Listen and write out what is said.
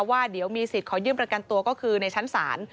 ว่าเดี๋ยวมีสิทธิ์ขอยื่นประกันตัวก็คือในชั้นศาล